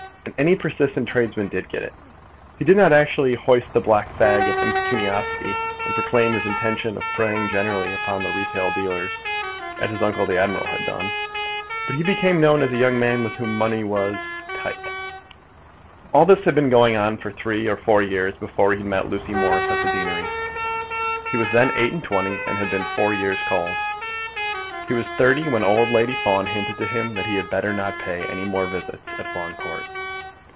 And any persistent tradesman did get it. He did not actually hoist the black flag of impecuniosity, and proclaim his intention of preying generally upon the retail dealers, as his uncle the admiral had done. But he became known as a young man with whom money was "tight." All this had been going on for three or four years before he had met Lucy Morris at the deanery. He was then eight and twenty, and had been four years called. He was thirty when old Lady Fawn hinted to him that he had better not pay any more visits at Fawn Court.